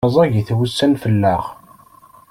Rẓagit wussan fell-aɣ.